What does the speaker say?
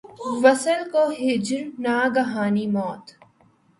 وصل کو ہجر ، ناگہانی موت